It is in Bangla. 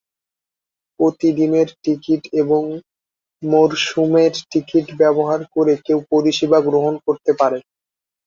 প্রতিদিনের টিকিট এবং মরসুমের টিকিট ব্যবহার করে কেউ পরিষেবা গ্রহণ করতে পারে।